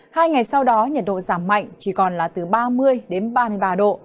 hai ngày sau đó nhiệt độ giảm mạnh chỉ còn là từ ba mươi đến ba mươi ba độ